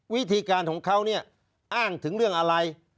วิธีการของเขาเนี่ยอ้างถึงเรื่องอะไร